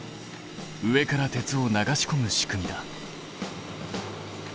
上から鉄を流しこむ仕組みだ。